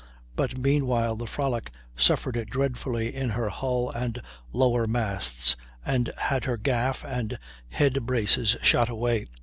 But meanwhile the Frolic suffered dreadfully in her hull and lower masts, and had her gaff and head braces shot away.